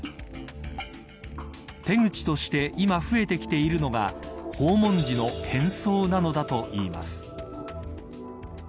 手口として今、増えてきているのが訪問時の変装なのだといいます。